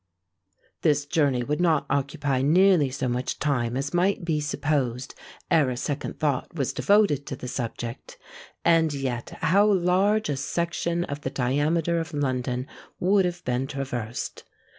This journey would not occupy nearly so much time as might be supposed ere a second thought was devoted to the subject; and yet how large a section of the diameter of London would have been traversed!